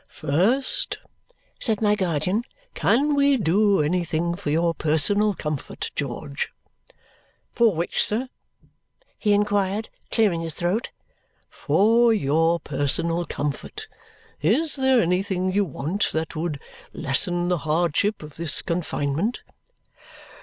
"First," said my guardian, "can we do anything for your personal comfort, George?" "For which, sir?" he inquired, clearing his throat. "For your personal comfort. Is there anything you want that would lessen the hardship of this confinement?"